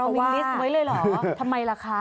วินลิสต์ไว้เลยเหรอทำไมล่ะคะ